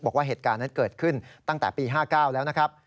บอกว่าเหตุการณ์นั้นเกิดขึ้นตั้งแต่ปี๕๙แล้วนะครับ